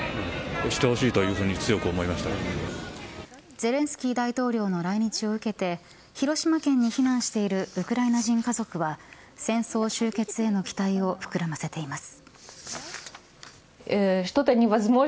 ゼレンスキー大統領の来日を受けて広島県に避難しているウクライナ人家族は戦争終結への期待を膨らませています。